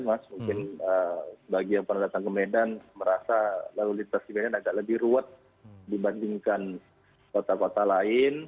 mas mungkin bagi yang pernah datang ke medan merasa lalu lintas di medan agak lebih ruwet dibandingkan kota kota lain